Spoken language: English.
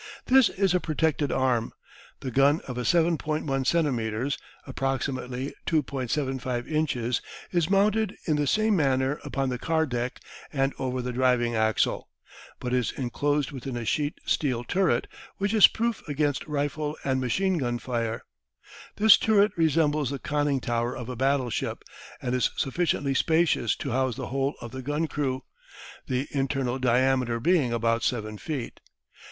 This is a protected arm. The gun of 7.1 centimetres approximately 2.75 inches is mounted in the same manner upon the car deck and over the driving axle, but is enclosed within a sheet steel turret, which is proof against rifle and machine gun fire. This turret resembles the conning tower of a battleship, and is sufficiently spacious to house the whole of the gun crew, the internal diameter being about seven feet.